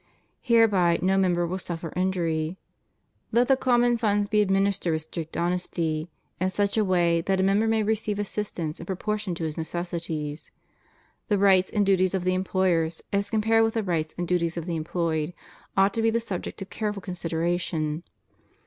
Hereby no member will suffer injury. Let the com mon funds be administered with strict honesty, in such a way that a member may receive assistance in proportion to his necessities. The rights and duties of the employers, as compared with the rights and duties of the employed, ought to be the subject of careful consideration.